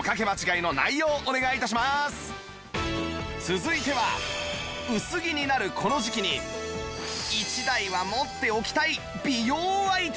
続いては薄着になるこの時期に１台は持っておきたい美容アイテム！